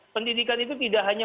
pendidikan itu tidak hanya